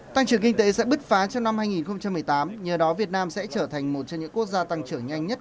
tăng trưởng kinh tế sẽ bứt phá trong năm hai nghìn một mươi tám nhờ đó việt nam sẽ trở thành một trong những quốc gia tăng trưởng nhanh nhất